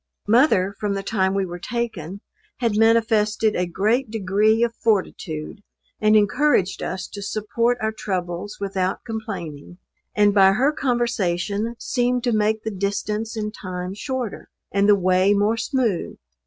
Mother, from the time we were taken, had manifested a great degree of fortitude, and encouraged us to support our troubles without complaining; and by her conversation seemed to make the distance and time shorter, and the way more smooth.